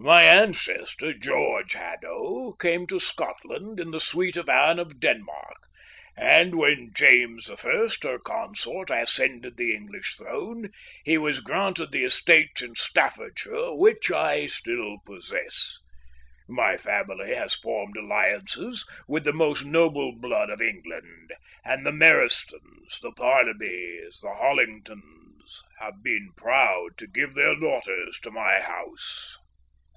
My ancestor, George Haddo, came to Scotland in the suite of Anne of Denmark, and when James I, her consort, ascended the English throne, he was granted the estates in Staffordshire which I still possess. My family has formed alliances with the most noble blood of England, and the Merestons, the Parnabys, the Hollingtons, have been proud to give their daughters to my house."